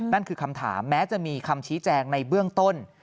นั่นคือคำถามแม้จะมีคำชี้แจงในเบื้องต้น